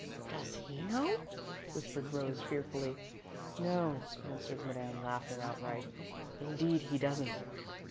"Does he know?" whispered Rose, fearfully. "No," answered Madame, laughing outright, "indeed he doesn't.